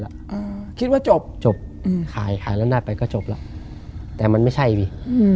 ครับคิดว่าจบจบขายแล้วก็จบแต่ว่ามันไม่ใช่อืม